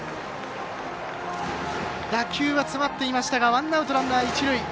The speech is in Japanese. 打球は詰まっていましたがワンアウト、ランナー、一塁。